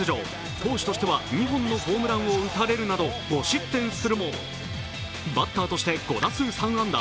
投手としては２本のホームランを打たれるなど５失点するも、バッターとして５打数３安打。